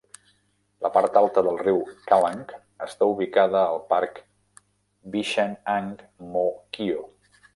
La part alta del riu Kallang està ubicada al parc Bishan-Ang Mo Kio.